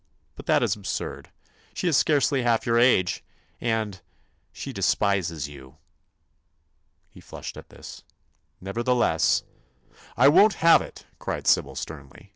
But that is absurd. She is scarcely half your age, and—she despises you." He flushed at this. "Nevertheless—" "I won't have it!" cried Sybil, sternly.